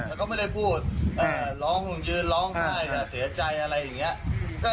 แต่ก็ไม่ได้พูดร้องยืนร้องไห้แบบเสียใจอะไรอย่างนี้